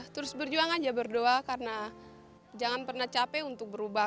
terus berjuang aja berdoa karena jangan pernah capek untuk berubah